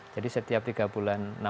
jadi setiap tiga bulan